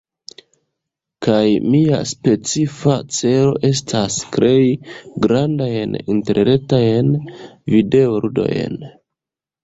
kaj mia specifa celo estas krei grandajn interretajn videoludojn.